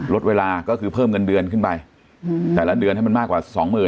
ลดเวลาก็คือเพิ่มเงินเดือนขึ้นไปแต่ละเดือนให้มันมากกว่าสองหมื่น